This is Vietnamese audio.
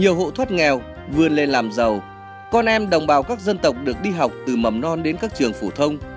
hộ thuất nghèo vươn lên làm giàu con em đồng bào các dân tộc được đi học từ mầm non đến các trường phủ thông